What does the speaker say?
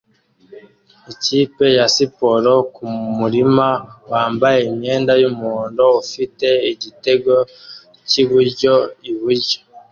Ikipe ya siporo kumurima wambaye imyenda yumuhondo ufite igitego cyiburyo iburyo